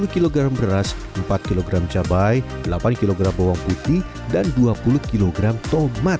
dua puluh kg beras empat kg cabai delapan kg bawang putih dan dua puluh kg tomat